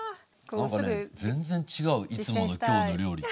なんかね全然違ういつもの「きょうの料理」と。